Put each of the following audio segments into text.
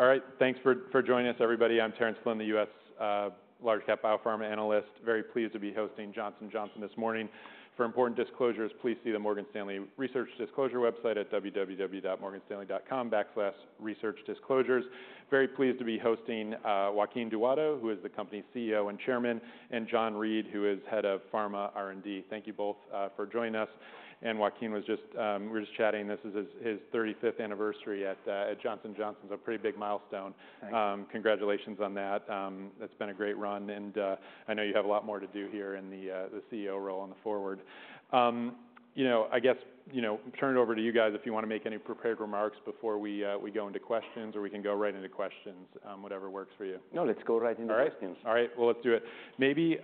All right, thanks for joining us, everybody. I'm Terence Flynn, the U.S. large cap biopharma analyst. Very pleased to be hosting Johnson & Johnson this morning. For important disclosures, please see the Morgan Stanley Research Disclosure website at www.morganstanley.com/researchdisclosures. Very pleased to be hosting Joaquin Duato, who is the company's CEO and chairman, and John Reed, who is head of Pharma R&D. Thank you both for joining us. We were just chatting. This is his thirty-fifth anniversary at Johnson & Johnson. So a pretty big milestone. Thank you. Congratulations on that. It's been a great run, and I know you have a lot more to do here in the CEO role on the forward. You know, I guess, you know, turn it over to you guys if you want to make any prepared remarks before we go into questions, or we can go right into questions, whatever works for you. No, let's go right into questions. All right. All right, well, let's do it. Maybe,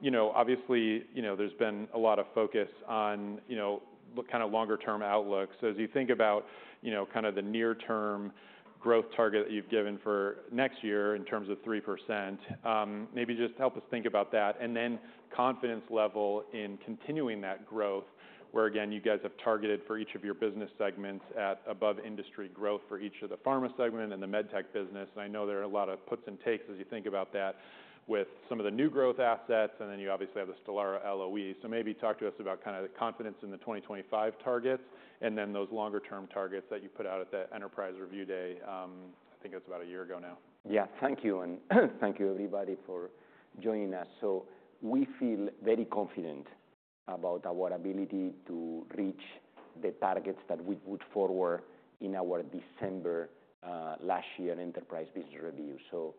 you know, obviously, you know, there's been a lot of focus on, you know, what kind of longer term outlook. So as you think about, you know, kind of the near-term growth target that you've given for next year in terms of 3%, maybe just help us think about that, and then confidence level in continuing that growth, where again, you guys have targeted for each of your business segments at above industry growth for each of the pharma segment and the med tech business. And I know there are a lot of puts and takes as you think about that with some of the new growth assets, and then you obviously have the Stelara LOE. So maybe talk to us about kind of the confidence in the 2025 targets, and then those longer term targets that you put out at the Enterprise Review Day. I think it's about a year ago now. Yeah. Thank you, and thank you, everybody, for joining us. So we feel very confident about our ability to reach the targets that we put forward in our December last year Enterprise Business Review. So,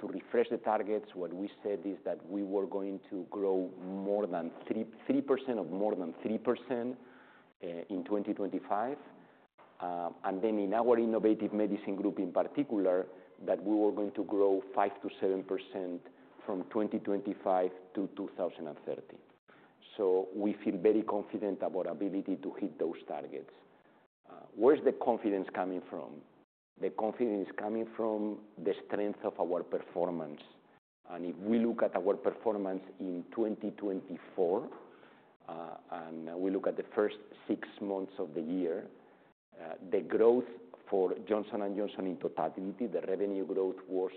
to refresh the targets, what we said is that we were going to grow more than 3% in 2025. And then in our innovative medicine group, in particular, that we were going to grow 5%-7% from 2025 to 2030. So we feel very confident about our ability to hit those targets. Where's the confidence coming from? The confidence is coming from the strength of our performance. And if we look at our performance in 2024, and we look at the first six months of the year, the growth for Johnson & Johnson in totality, the revenue growth was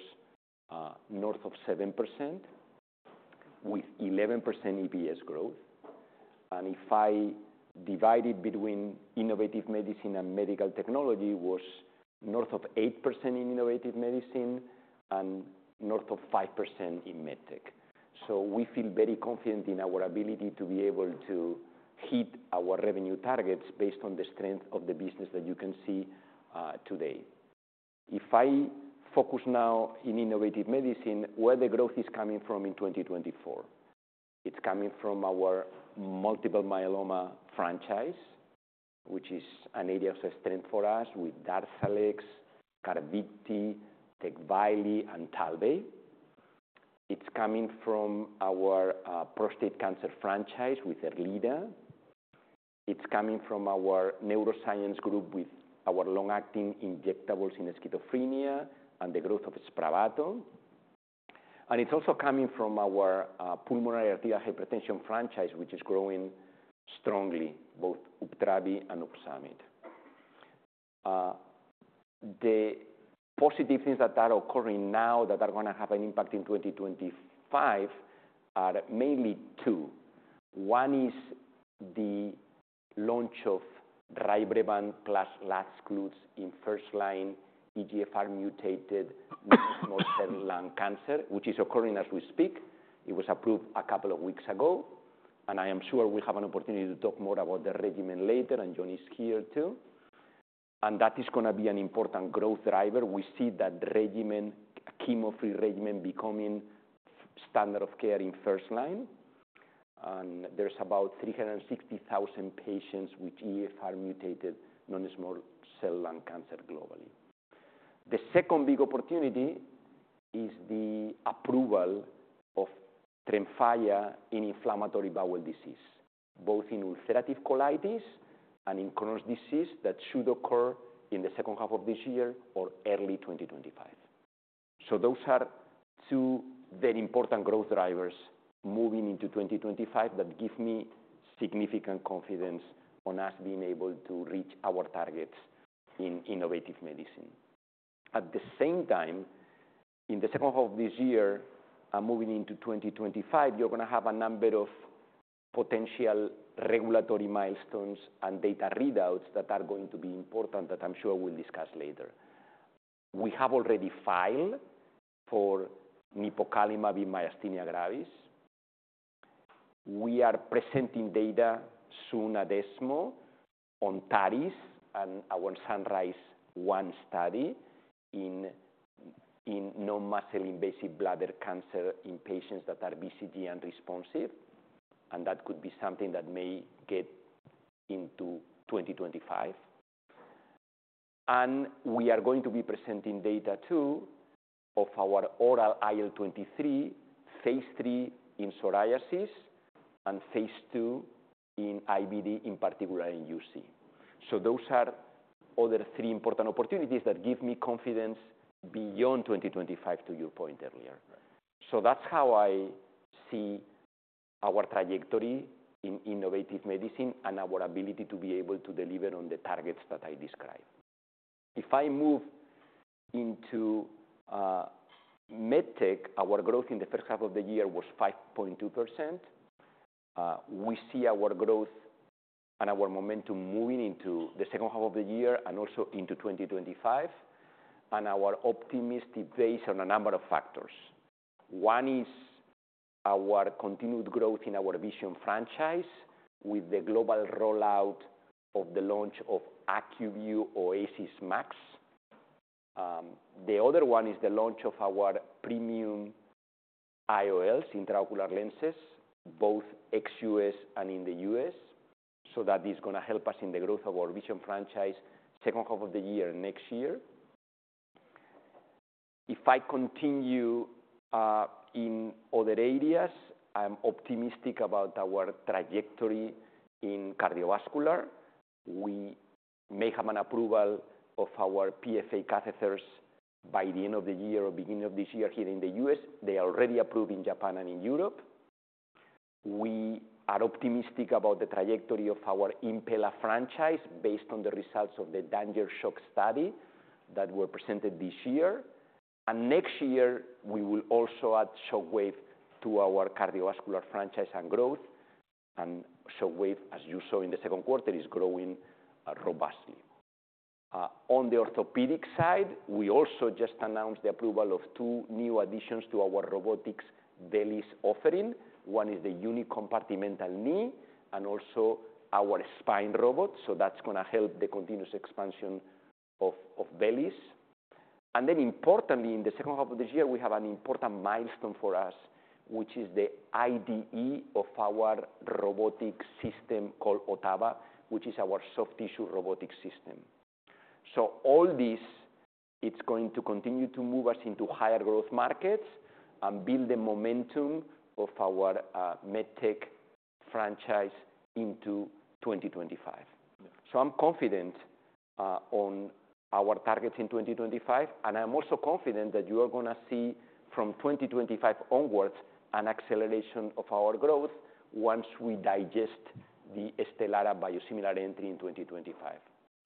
north of 7%, with 11% EPS growth. And if I divide it between innovative medicine and medical technology, was north of 8% in innovative medicine and north of 5% in medtech. So we feel very confident in our ability to be able to hit our revenue targets based on the strength of the business that you can see today. If I focus now on innovative medicine, where the growth is coming from in 2024, it's coming from our multiple myeloma franchise, which is an area of strength for us with Darzalex, Carvykti, Tecvayli and Talvey. It's coming from our prostate cancer franchise with Erleada. It's coming from our neuroscience group with our long-acting injectables in schizophrenia and the growth of Spravato. And it's also coming from our pulmonary arterial hypertension franchise, which is growing strongly, both Uptravi and Opsumit. The positive things that are occurring now that are gonna have an impact in 2025 are mainly two. One is the launch of Rybrevant plus Lazcluze in first-line EGFR mutated non-small cell lung cancer, which is occurring as we speak. It was approved a couple of weeks ago, and I am sure we have an opportunity to talk more about the regimen later, and John is here, too. And that is gonna be an important growth driver. We see that regimen, chemo-free regimen, becoming standard of care in first line. And there's about 360,000 patients with EGFR mutated non-small cell lung cancer globally. The second big opportunity is the approval of Tremfya in inflammatory bowel disease, both in ulcerative colitis and in Crohn's disease. That should occur in the second half of this year or early 2025. So those are two very important growth drivers moving into 2025 that give me significant confidence on us being able to reach our targets in innovative medicine. At the same time, in the second half of this year and moving into 2025, you're gonna have a number of potential regulatory milestones and data readouts that are going to be important, that I'm sure we'll discuss later. We have already filed for nipocalimab in myasthenia gravis. We are presenting data soon at ESMO on TARIS and our SunRISe-1 study in muscle-invasive bladder cancer in patients that are BCG-unresponsive, and that could be something that may get into 2025. We are going to be presenting data, too, of our oral IL-23, phase III in psoriasis and phase II in IBD, in particular in UC. Those are other three important opportunities that give me confidence beyond 2025, to your point earlier. Right. So that's how I see our trajectory in innovative medicine and our ability to be able to deliver on the targets that I described. If I move into MedTech, our growth in the first half of the year was 5.2%. We see our growth and our momentum moving into the second half of the year and also into 2025, and our optimism is based on a number of factors. One is our continued growth in our vision franchise, with the global rollout of the launch of ACUVUE OASYS MAX. The other one is the launch of our premium IOL, intraocular lenses, both ex-US and in the U.S. So that is gonna help us in the growth of our vision franchise second half of the year, next year. If I continue in other areas, I'm optimistic about our trajectory in cardiovascular. We may have an approval of our PFA catheters by the end of the year or beginning of this year here in the U.S. They are already approved in Japan and in Europe. We are optimistic about the trajectory of our Impella franchise, based on the results of the DanGer Shock study that were presented this year. And next year, we will also add Shockwave to our cardiovascular franchise and growth. And Shockwave, as you saw in the second quarter, is growing robustly. On the orthopedic side, we also just announced the approval of two new additions to our robotics VELYS offering. One is the unicompartmental knee and also our spine robot, so that's gonna help the continuous expansion of VELYS. And then importantly, in the second half of this year, we have an important milestone for us, which is the IDE of our robotic system called OTTAVA, which is our soft tissue robotic system. So all this, it's going to continue to move us into higher growth markets and build the momentum of our MedTech franchise into 2025. So I'm confident on our targets in 2025, and I'm also confident that you are gonna see, from 2025 onwards, an acceleration of our growth once we digest the Stelara biosimilar entry in 2025.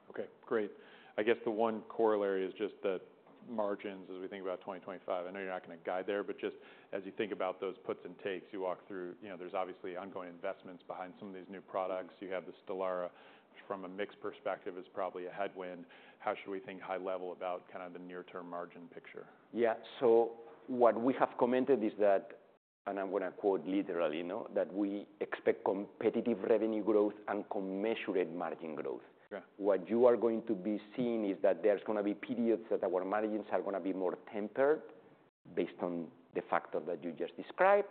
Okay, great. I guess the one corollary is just the margins as we think about 2025. I know you're not gonna guide there, but just as you think about those puts and takes, you walk through, you know, there's obviously ongoing investments behind some of these new products. You have the Stelara, which, from a mix perspective, is probably a headwind. How should we think high level about kind of the near-term margin picture? Yeah. So what we have commented is that, and I'm gonna quote literally, you know, that we expect competitive revenue growth and commensurate margin growth. Yeah. What you are going to be seeing is that there's gonna be periods that our margins are gonna be more tempered based on the factor that you just described,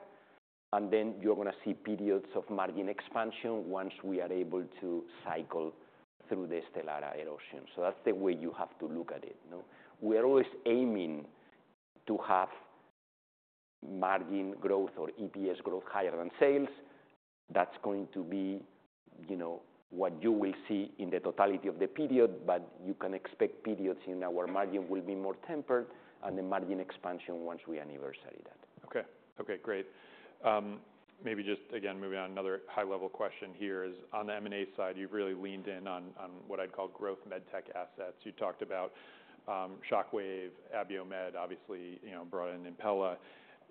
and then you're gonna see periods of margin expansion once we are able to cycle through the Stelara erosion. So that's the way you have to look at it, you know? We are always aiming to have margin growth or EPS growth higher than sales. That's going to be, you know, what you will see in the totality of the period, but you can expect periods in our margin will be more tempered and the margin expansion once we anniversary that. Okay. Okay, great. Maybe just, again, moving on, another high-level question here is: on the M&A side, you've really leaned in on, on what I'd call growth MedTech assets. You talked about, Shockwave, Abiomed, obviously, you know, V-Wave, Impella.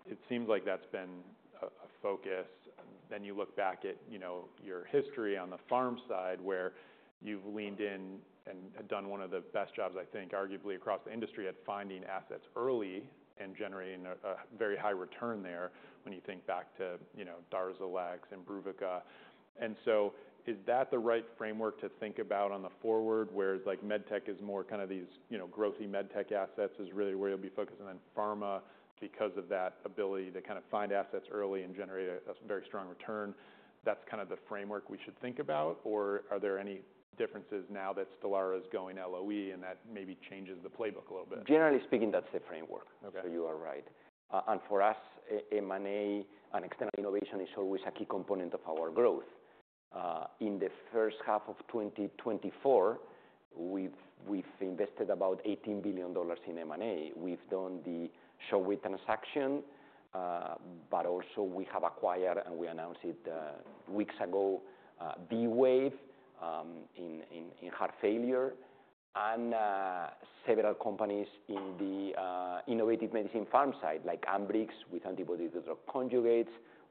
It seems like that's been a, a focus. Then you look back at, you know, your history on the pharma side, where you've leaned in and have done one of the best jobs, I think, arguably across the industry, at finding assets early and generating a, a very high return there when you think back to, you know, Darzalex and Imbruvica. And so is that the right framework to think about going forward, where like MedTech is more kind of these, you know, growthy MedTech assets is really where you'll be focusing on pharma because of that ability to kind of find assets early and generate a very strong return? That's kind of the framework we should think about, or are there any differences now that Stelara is going LOE, and that maybe changes the playbook a little bit? Generally speaking, that's the framework. Okay. So you are right. And for us, M&A and external innovation is always a key component of our growth. In the first half of 2024, we've invested about $18 billion in M&A. We've done the Shockwave transaction, but also we have acquired, and we announced it weeks ago, V-Wave in heart failure, and several companies in the innovative medicine pharma side, like Ambrx, with antibody drug conjugates,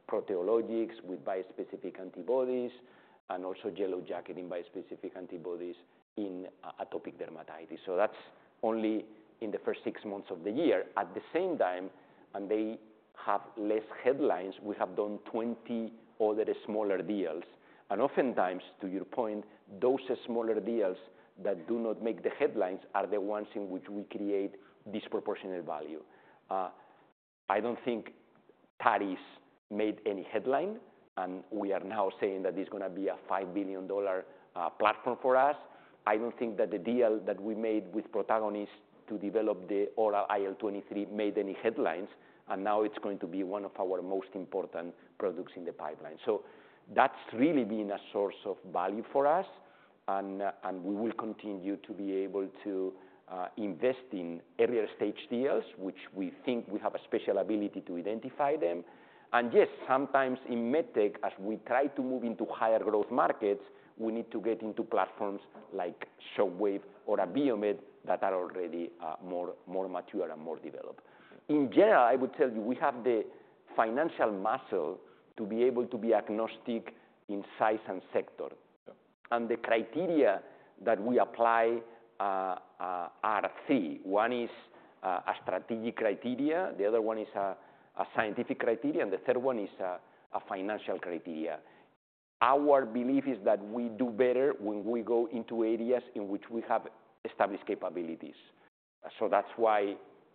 Proteologix, with bispecific antibodies, and also Yellow Jersey in bispecific antibodies in atopic dermatitis. So that's only in the first six months of the year. At the same time, and they have less headlines, we have done 20 other smaller deals. And oftentimes, to your point, those smaller deals that do not make the headlines are the ones in which we create disproportionate value. I don't think TARIS made any headlines, and we are now saying that it's gonna be a $5 billion platform for us. I don't think that the deal that we made with Protagonist to develop the oral IL-23 made any headlines, and now it's going to be one of our most important products in the pipeline. So that's really been a source of value for us, and we will continue to be able to invest in earlier stage deals, which we think we have a special ability to identify them. Yes, sometimes in MedTech, as we try to move into higher growth markets, we need to get into platforms like Shockwave or Abiomed that are already more mature and more developed. In general, I would tell you, we have the financial muscle to be able to be agnostic in size and sector, and the criteria that we apply are three. One is a strategic criteria, the other one is a scientific criteria, and the third one is a financial criteria. Our belief is that we do better when we go into areas in which we have established capabilities. So that's why,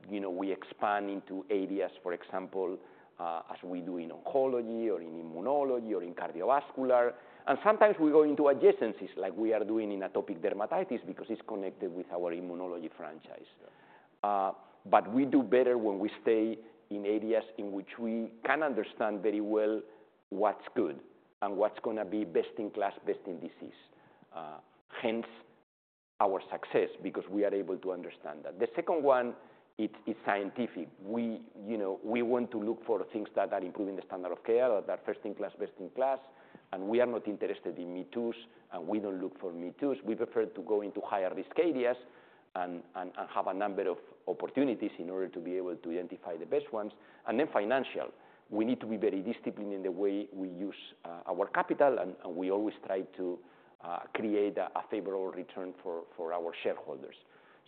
you know, we expand into areas, for example, as we do in oncology or in immunology or in cardiovascular. And sometimes we go into adjacencies, like we are doing in atopic dermatitis, because it's connected with our immunology franchise. But we do better when we stay in areas in which we can understand very well what's good and what's gonna be best in class, best in disease. Hence, our success, because we are able to understand that. The second one, it is scientific. We, you know, we want to look for things that are improving the standard of care or that first in class, best in class, and we are not interested in me-toos, and we don't look for me-toos. We prefer to go into higher-risk areas and have a number of opportunities in order to be able to identify the best ones, and then financial, we need to be very disciplined in the way we use our capital, and we always try to create a favorable return for our shareholders.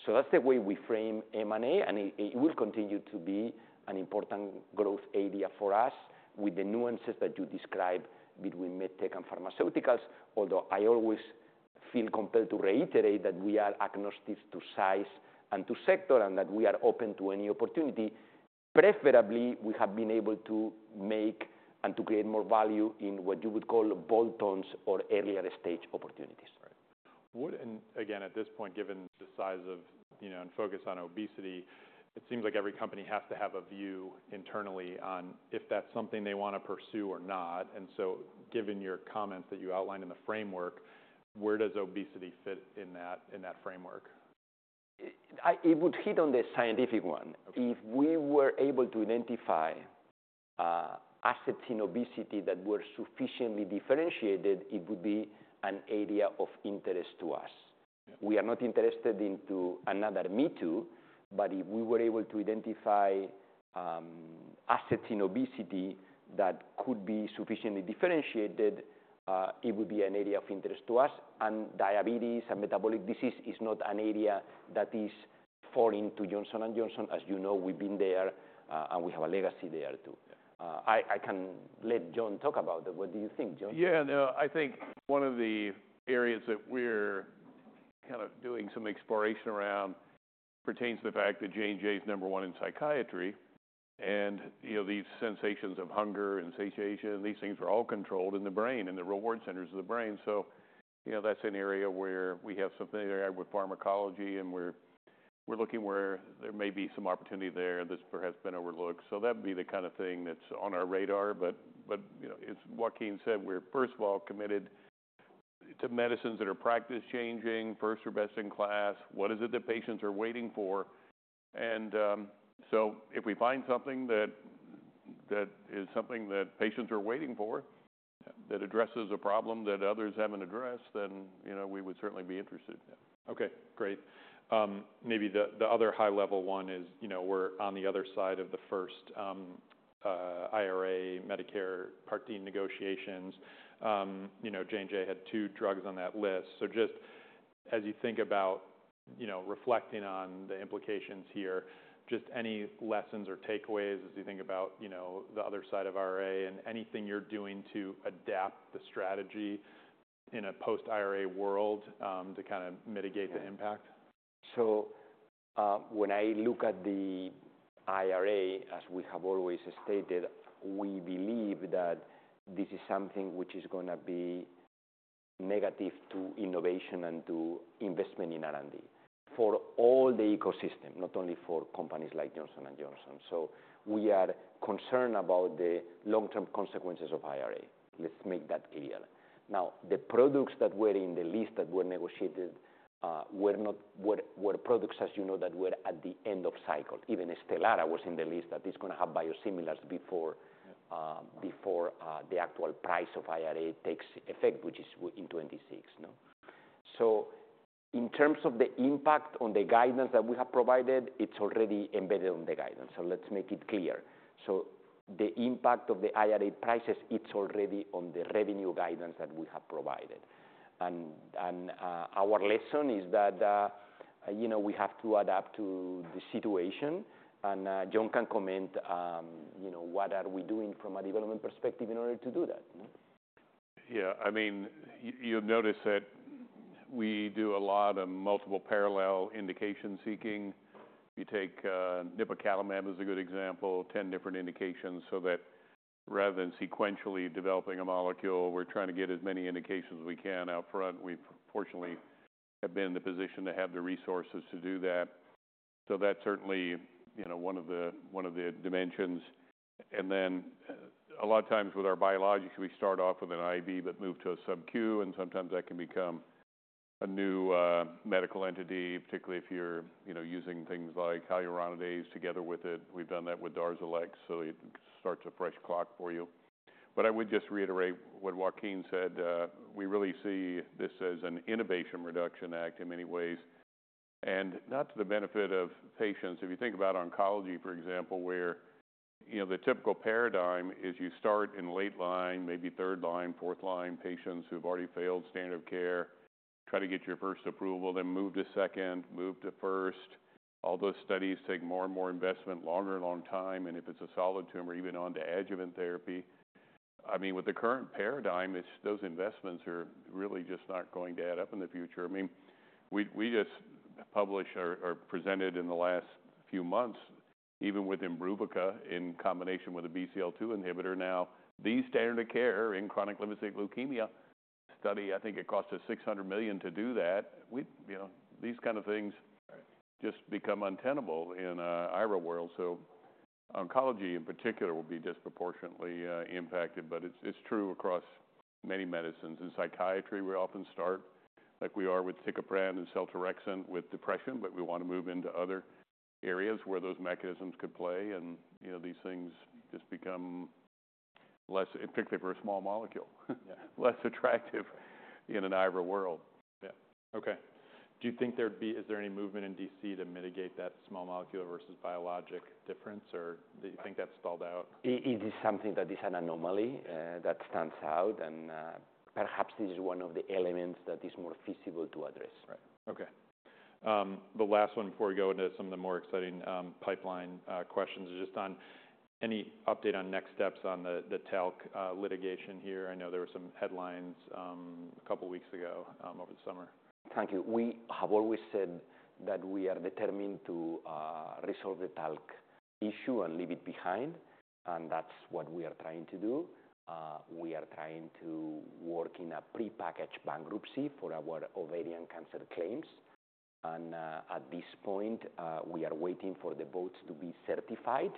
So that's the way we frame M&A, and it will continue to be an important growth area for us with the nuances that you describe between MedTech and pharmaceuticals. Although I always feel compelled to reiterate that we are agnostic to size and to sector, and that we are open to any opportunity. Preferably, we have been able to make and to create more value in what you would call bolt-ons or earlier stage opportunities. Right. And again, at this point, given the size of, you know, and focus on obesity, it seems like every company has to have a view internally on if that's something they wanna pursue or not. And so, given your comments that you outlined in the framework, where does obesity fit in that framework? It would hit on the scientific one. Okay. If we were able to identify assets in obesity that were sufficiently differentiated, it would be an area of interest to us. We are not interested in another me-too, but if we were able to identify assets in obesity that could be sufficiently differentiated, it would be an area of interest to us. And diabetes and metabolic disease is not an area that is foreign to Johnson & Johnson. As you know, we've been there, and we have a legacy there, too. Yeah. I can let John talk about that. What do you think, John? Yeah, no, I think one of the areas that we're kind of doing some exploration around pertains to the fact that J&J is number one in psychiatry. And, you know, these sensations of hunger and satiation, these things are all controlled in the brain, in the reward centers of the brain. So, you know, that's an area where we have some familiarity with pharmacology, and we're, we're looking where there may be some opportunity there that's perhaps been overlooked. So that'd be the kind of thing that's on our radar. But, but, you know, as Joaquin said, we're, first of all, committed to medicines that are practice-changing, first or best in class. What is it that patients are waiting for? So if we find something that is something that patients are waiting for, that addresses a problem that others haven't addressed, then, you know, we would certainly be interested. Okay, great. Maybe the other high-level one is, you know, we're on the other side of the first IRA, Medicare Part D negotiations. You know, J&J had two drugs on that list. So just as you think about, you know, reflecting on the implications here, just any lessons or takeaways as you think about, you know, the other side of IRA and anything you're doing to adapt the strategy in a post-IRA world, to kinda mitigate the impact? So, when I look at the IRA, as we have always stated, we believe that this is something which is gonna be negative to innovation and to investment in R&D for all the ecosystem, not only for companies like Johnson & Johnson. So we are concerned about the long-term consequences of IRA. Let's make that clear. Now, the products that were in the list that were negotiated were products, as you know, that were at the end of cycle. Even Stelara was in the list, that is gonna have biosimilars before- Yeah before the actual price of IRA takes effect, which is in 2026, no? So in terms of the impact on the guidance that we have provided, it's already embedded on the guidance. So let's make it clear. So the impact of the IRA prices, it's already on the revenue guidance that we have provided. And our lesson is that, you know, we have to adapt to the situation, and John can comment, you know, what are we doing from a development perspective in order to do that, no? Yeah, I mean, you'll notice that we do a lot of multiple parallel indication seeking. You take nipocalimab is a good example, 10 different indications, so that rather than sequentially developing a molecule, we're trying to get as many indications as we can up front. We've fortunately have been in the position to have the resources to do that. So that's certainly, you know, one of the dimensions. And then a lot of times with our biologics, we start off with an IV, but move to a subQ, and sometimes that can become a new medical entity, particularly if you're, you know, using things like hyaluronidase together with it. We've done that with Darzalex, so it starts a fresh clock for you. I would just reiterate what Joaquin said. We really see this as an Inflation Reduction Act in many ways, and not to the benefit of patients. If you think about oncology, for example, where, you know, the typical paradigm is you start in late line, maybe third line, fourth line, patients who've already failed standard of care, try to get your first approval, then move to second, move to first. All those studies take more and more investment, longer and long time, and if it's a solid tumor, even on to adjuvant therapy. I mean, with the current paradigm, it's those investments are really just not going to add up in the future. I mean, we just published or presented in the last few months, even with Imbruvica, in combination with a BCL-2 inhibitor, now the standard of care in chronic lymphocytic leukemia study. I think it cost us $600 million to do that. You know, these kind of things just become untenable in an IRA world. So oncology, in particular, will be disproportionately impacted, but it's true across many medicines. In psychiatry, we often start like we are with Aticaprant and Seltorexant with depression, but we want to move into other areas where those mechanisms could play, and, you know, these things just become less particularly for a small molecule, less attractive in an IRA world. Yeah. Okay. Do you think, is there any movement in DC to mitigate that small molecule versus biologic difference, or do you think that's stalled out? It is something that is an anomaly, that stands out, and, perhaps this is one of the elements that is more feasible to address. Right. Okay. The last one before we go into some of the more exciting, pipeline, questions, is just on any update on next steps on the talc, litigation here? I know there were some headlines, a couple of weeks ago, over the summer. Thank you. We have always said that we are determined to resolve the talc issue and leave it behind, and that's what we are trying to do. We are trying to work in a prepackaged bankruptcy for our ovarian cancer claims, and at this point we are waiting for the votes to be certified.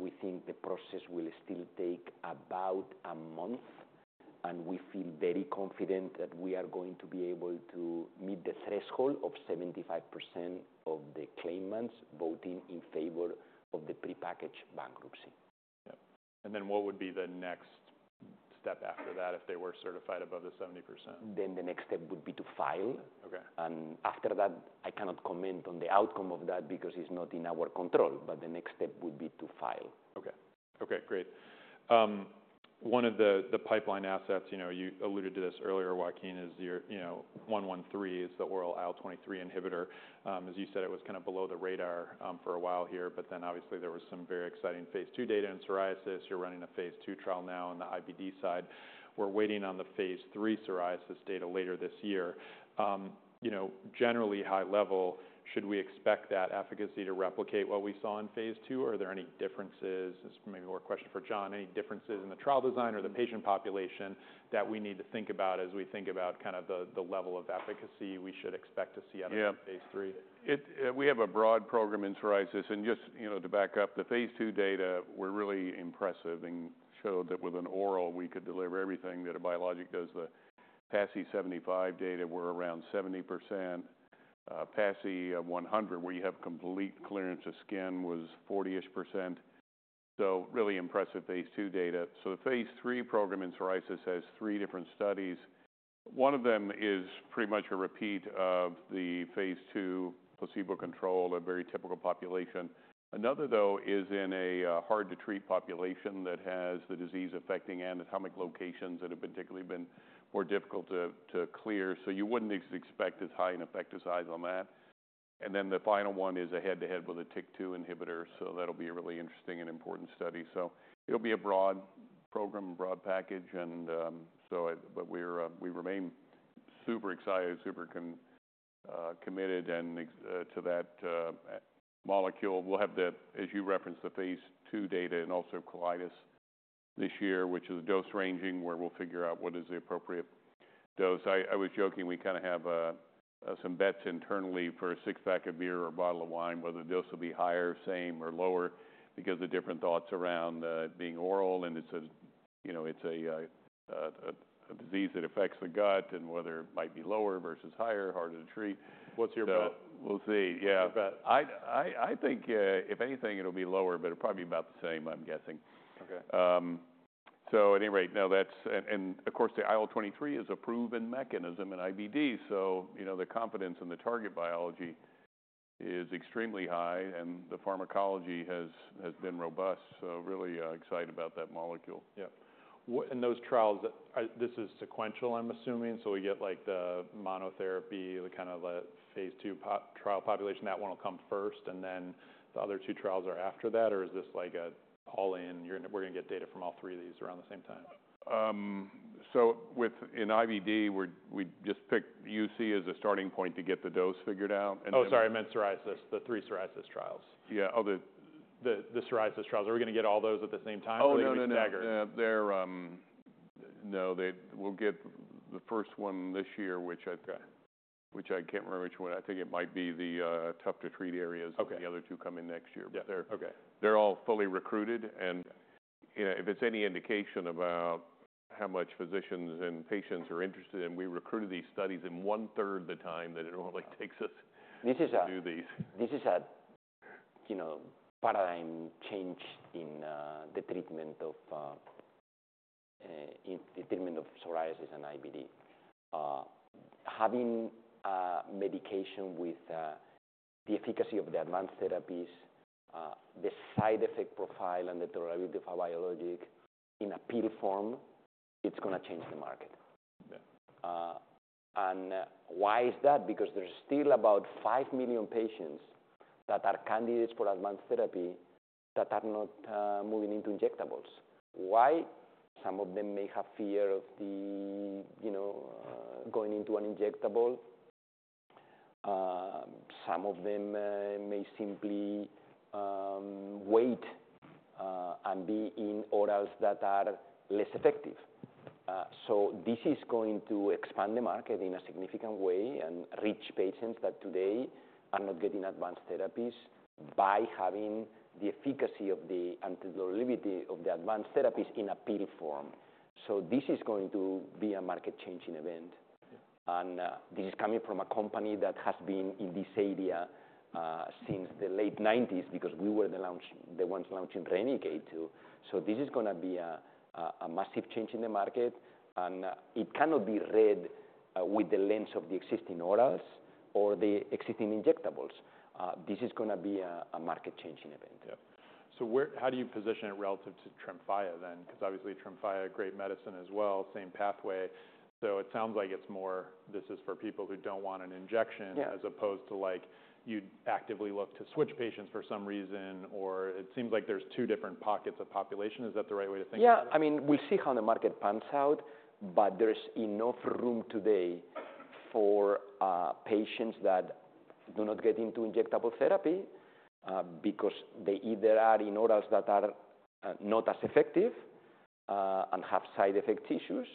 We think the process will still take about a month, and we feel very confident that we are going to be able to meet the threshold of 75% of the claimants voting in favor of the prepackaged bankruptcy. Yeah. And then what would be the next step after that, if they were certified above the 70%? Then the next step would be to file. Okay. After that, I cannot comment on the outcome of that because it's not in our control, but the next step would be to file. Okay. Okay, great. One of the pipeline assets, you know, you alluded to this earlier, Joaquin, is your, you know, JNJ-2113 is the oral IL-23 inhibitor. As you said, it was kind of below the radar for a while here, but then obviously, there was some very exciting phase II data in psoriasis. You're running a phase II trial now on the IBD side. We're waiting on the phase III psoriasis data later this year. You know, generally high level, should we expect that efficacy to replicate what we saw in phase II, or are there any differences? This may be more a question for John. Any differences in the trial design or the patient population that we need to think about as we think about kind of the level of efficacy we should expect to see out of- Yeah -phase III? We have a broad program in psoriasis, and just, you know, to back up, the phase II data were really impressive and showed that with an oral, we could deliver everything that a biologic does. The PASI 75 data were around 70%, PASI 100, where you have complete clearance of skin, was 40-ish%, so really impressive phase II data. The phase III program in psoriasis has three different studies. One of them is pretty much a repeat of the phase II placebo-controlled, a very typical population. Another, though, is in a hard-to-treat population that has the disease affecting anatomic locations that have particularly been more difficult to clear. So you wouldn't expect as high an effect size on that. Then the final one is a head-to-head with a TYK2 inhibitor, so that'll be a really interesting and important study. So it'll be a broad program, broad package, and. But we're, we remain super excited, super committed and excited to that molecule. We'll have that, as you referenced, the phase II data and also colitis this year, which is dose-ranging, where we'll figure out what is the appropriate dose. I was joking, we kinda have some bets internally for a six-pack of beer or a bottle of wine, whether the dose will be higher, same, or lower because the different thoughts around it being oral and it's a, you know, it's a disease that affects the gut, and whether it might be lower versus higher, harder to treat. What's your bet? We'll see. Yeah. Your bet. I think, if anything, it'll be lower, but probably about the same, I'm guessing. Okay. So at any rate, now that's. And of course, the IL-23 is a proven mechanism in IBD, so you know, the confidence in the target biology is extremely high, and the pharmacology has been robust, so really excited about that molecule. Yeah. What in those trials, this is sequential, I'm assuming? So we get, like, the monotherapy, the kind of a phase II POC trial population, that one will come first, and then the other two trials are after that, or is this like all in, we're gonna get data from all three of these around the same time? So within IBD, we just picked UC as a starting point to get the dose figured out, and Oh, sorry, I meant psoriasis, the three psoriasis trials. Yeah. Oh, the- The psoriasis trials. Are we gonna get all those at the same time? Oh, no, no, no! Or are they staggered? We'll get the first one this year, which I- Okay. Which I can't remember which one. I think it might be the tough to treat areas. Okay. The other two come in next year. Yeah, okay. They're all fully recruited, and, you know, if it's any indication about how much physicians and patients are interested in, we recruited these studies in one-third the time that it normally takes us to do these. This is a, you know, paradigm change in the treatment of psoriasis and IBD. Having a medication with the efficacy of the advanced therapies, the side effect profile and the tolerability of a biologic in a pill form, it's gonna change the market. Yeah. And why is that? Because there's still about five million patients that are candidates for advanced therapy that are not moving into injectables. Why? Some of them may have fear of the, you know, going into an injectable. Some of them may simply wait and be in orals that are less effective. So this is going to expand the market in a significant way and reach patients that today are not getting advanced therapies by having the efficacy of the and the tolerability of the advanced therapies in a pill form. So this is going to be a market-changing event. Yeah. This is coming from a company that has been in this area since the late 1990s because we were the ones launching Remicade too. So this is gonna be a massive change in the market, and it cannot be read with the lens of the existing orals or the existing injectables. This is gonna be a market-changing event. Yeah. So how do you position it relative to Tremfya then? Because obviously, Tremfya, great medicine as well, same pathway. So it sounds like it's more this is for people who don't want an injection- Yeah as opposed to, like, you'd actively look to switch patients for some reason, or it seems like there's two different pockets of population. Is that the right way to think about it? Yeah. I mean, we'll see how the market pans out, but there's enough room today for patients that do not get into injectable therapy, because they either are in orals that are not as effective, and have side effect issues,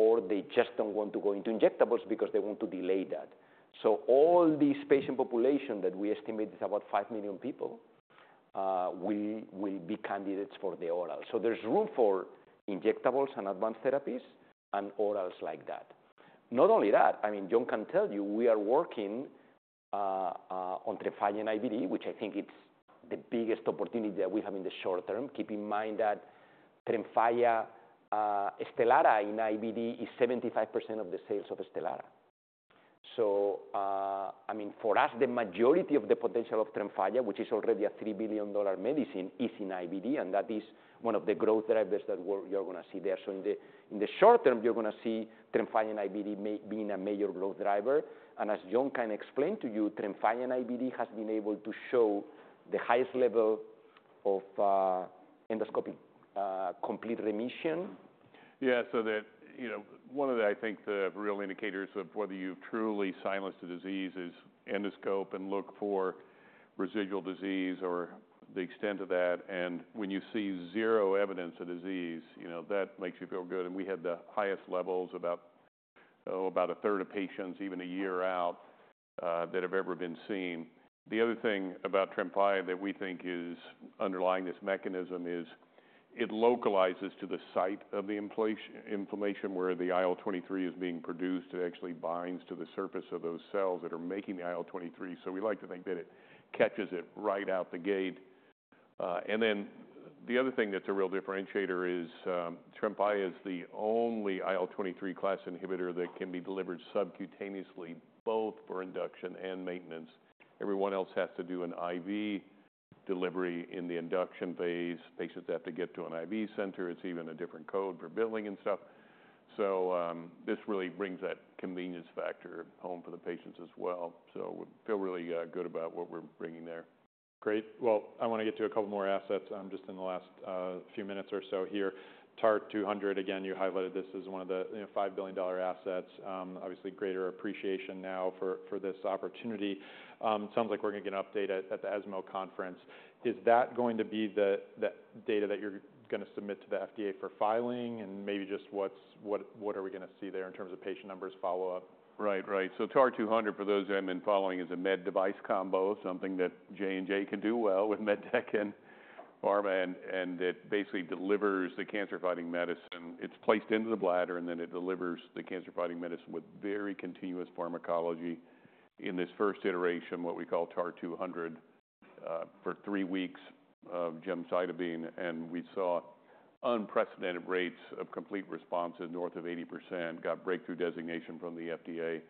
or they just don't want to go into injectables because they want to delay that. So all these patient population that we estimate is about five million people, will be candidates for the oral. So there's room for injectables and advanced therapies and orals like that. Not only that, I mean, John can tell you, we are working on Tremfya in IBD, which I think it's the biggest opportunity that we have in the short term. Keep in mind that Tremfya, Stelara in IBD is 75% of the sales of Stelara. I mean, for us, the majority of the potential of Tremfya, which is already a $3 billion medicine, is in IBD, and that is one of the growth drivers that you're gonna see there. In the short term, you're gonna see Tremfya in IBD being a major growth driver. And as John can explain to you, Tremfya in IBD has been able to show the highest level of endoscopic complete remission. Yeah, so that, you know, one of the. I think the real indicators of whether you've truly silenced a disease is endoscopy and look for residual disease or the extent of that, and when you see zero evidence of disease, you know, that makes you feel good. And we had the highest levels, about, oh, about a third of patients, even a year out, that have ever been seen. The other thing about Tremfya that we think is underlying this mechanism is it localizes to the site of the inflammation, where the IL-23 is being produced. It actually binds to the surface of those cells that are making the IL-23. So we like to think that it catches it right out the gate. And then the other thing that's a real differentiator is, Tremfya is the only IL-23 class inhibitor that can be delivered subcutaneously, both for induction and maintenance. Everyone else has to do an IV delivery in the induction phase. Patients have to get to an IV center. It's even a different code for billing and stuff. So, this really brings that convenience factor home for the patients as well. So we feel really, good about what we're bringing there. Great. Well, I wanna get to a couple more assets, just in the last few minutes or so here. TAR-200, again, you highlighted this as one of the, you know, $5 billion assets. Obviously, greater appreciation now for this opportunity. Sounds like we're gonna get an update at the ESMO conference. Is that going to be the data that you're gonna submit to the FDA for filing? And maybe just what are we gonna see there in terms of patient numbers follow-up? Right. Right. So TAR-200, for those who haven't been following, is a med device combo, something that J&J can do well with medtech and pharma, and it basically delivers the cancer-fighting medicine. It's placed into the bladder, and then it delivers the cancer-fighting medicine with very continuous pharmacology. In this first iteration, what we call TAR-200, for three weeks of gemcitabine, and we saw unprecedented rates of complete response at north of 80%, got breakthrough designation from the FDA.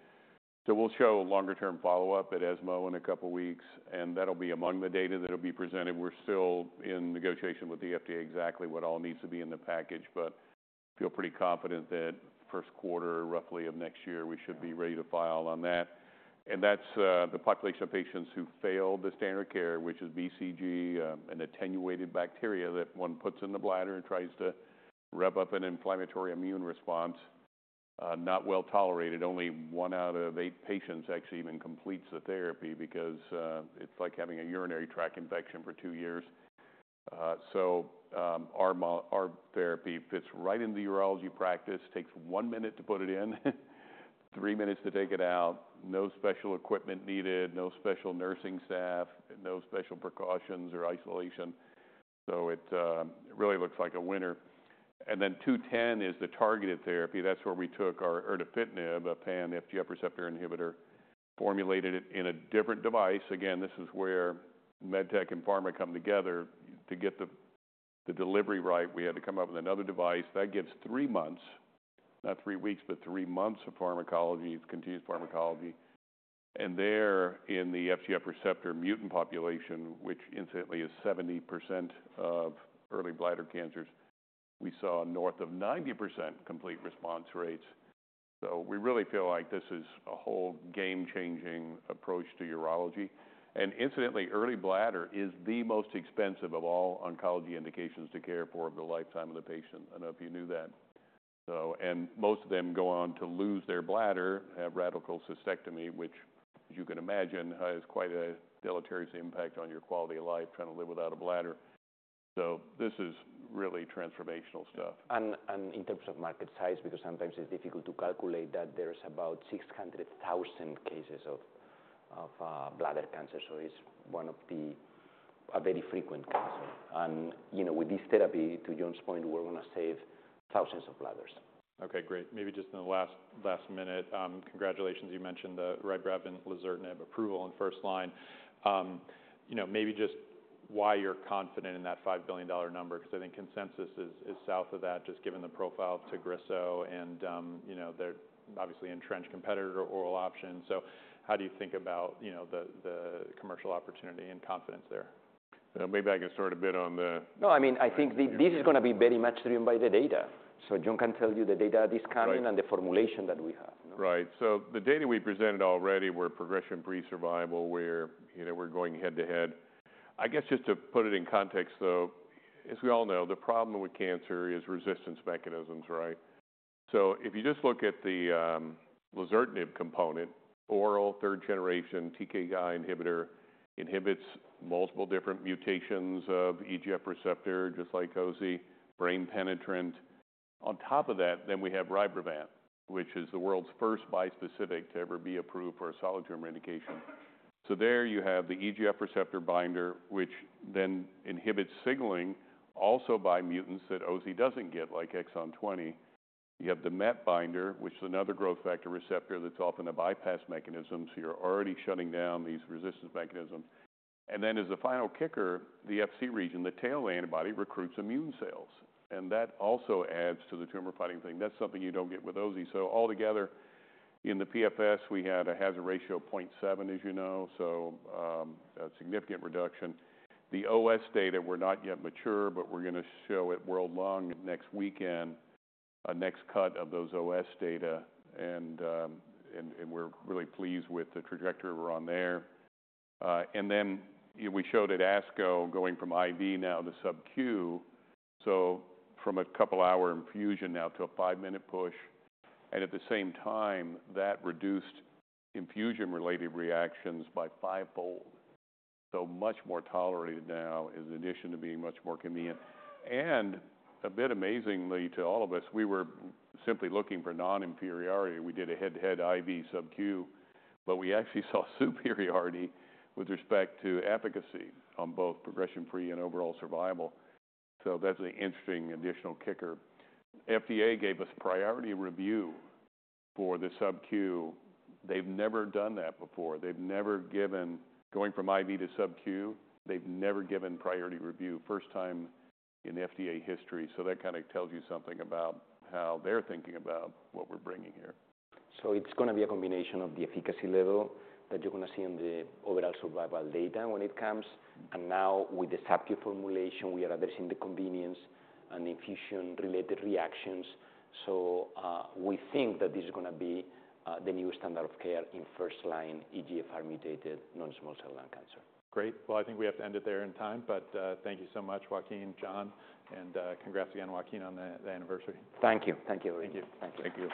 So we'll show longer term follow-up at ESMO in a couple weeks, and that'll be among the data that will be presented. We're still in negotiation with the FDA, exactly what all needs to be in the package, but feel pretty confident that first quarter, roughly of next year, we should be ready to file on that. That's the population of patients who failed the standard of care, which is BCG, an attenuated bacteria that one puts in the bladder and tries to rev up an inflammatory immune response. Not well tolerated. Only one out of eight patients actually even completes the therapy because it's like having a urinary tract infection for two years. Our therapy fits right into the urology practice, takes one minute to put it in, three minutes to take it out, no special equipment needed, no special nursing staff, and no special precautions or isolation. It really looks like a winner. Then TAR-210 is the targeted therapy. That's where we took our Erdafitinib, a pan-FGFR receptor inhibitor, formulated it in a different device. Again, this is where med tech and pharma come together. To get the delivery right, we had to come up with another device. That gives three months, not three weeks, but three months of pharmacology, continued pharmacology, and there, in the FGFR mutant population, which incidentally is 70% of early bladder cancers, we saw north of 90% complete response rates. We really feel like this is a whole game-changing approach to urology, and incidentally, early bladder is the most expensive of all oncology indications to care for over the lifetime of the patient. I don't know if you knew that, and most of them go on to lose their bladder, have radical cystectomy, which as you can imagine, has quite a deleterious impact on your quality of life, trying to live without a bladder. This is really transformational stuff. In terms of market size, because sometimes it's difficult to calculate, that there is about six hundred thousand cases of bladder cancer. So it's one of the, a very frequent cancer. You know, with this therapy, to John's point, we're gonna save thousands of bladders. Okay, great. Maybe just in the last minute, congratulations. You mentioned the Rybrevant lazertinib approval in first line. You know, maybe just why you're confident in that $5 billion number, because I think consensus is south of that, just given the profile of Tagrisso and, you know, they're obviously entrenched competitor oral option. So how do you think about, you know, the commercial opportunity and confidence there? Maybe I can start a bit on the- No, I mean, I think this is gonna be very much driven by the data. So John can tell you the data that is coming- Right and the formulation that we have. Right. So the data we presented already were progression-free survival, where, you know, we're going head-to-head. I guess, just to put it in context, though, as we all know, the problem with cancer is resistance mechanisms, right? So if you just look at the lazertinib component, oral third-generation TKI inhibitor, inhibits multiple different mutations of EGF receptor, just like Ozi, brain penetrant. On top of that, then we have Rybrevant, which is the world's first bispecific to ever be approved for a solid tumor indication. So there you have the EGF receptor binder, which then inhibits signaling also by mutants that Ozi doesn't get, like Exon 20. You have the MET binder, which is another growth factor receptor that's often a bypass mechanism, so you're already shutting down these resistance mechanism. And then as a final kicker, the FC region, the tail antibody, recruits immune cells, and that also adds to the tumor-fighting thing. That's something you don't get with Ozi. So altogether, in the PFS, we had a hazard ratio of point seven, as you know, so, a significant reduction. The OS data, we're not yet mature, but we're gonna show at World Lung next weekend, a next cut of those OS data, and, and we're really pleased with the trajectory we're on there. And then we showed at ASCO, going from IV now to subQ, so from a couple hour infusion now to a five-minute push, and at the same time, that reduced infusion-related reactions by five-fold. So much more tolerated now, in addition to being much more convenient. And a bit amazingly to all of us, we were simply looking for non-inferiority. We did a head-to-head IV subQ, but we actually saw superiority with respect to efficacy on both progression-free and overall survival. So that's an interesting additional kicker. FDA gave us priority review for the subQ. They've never done that before. They've never given, going from IV to subQ, they've never given priority review. First time in FDA history, so that kinda tells you something about how they're thinking about what we're bringing here. So it's gonna be a combination of the efficacy level that you're gonna see in the overall survival data when it comes. And now with the subQ formulation, we are addressing the convenience and infusion-related reactions. So, we think that this is gonna be the new standard of care in first line EGFR mutated non-small cell lung cancer. Great. Well, I think we have to end it there in time, but thank you so much, Joaquin, John, and congrats again, Joaquin, on the anniversary. Thank you. Thank you. Thank you. Thank you.